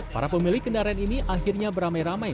para pemilik kendaraan ini akhirnya beramai ramai